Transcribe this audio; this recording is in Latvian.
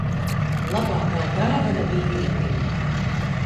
Labākā dāvana vīrietim.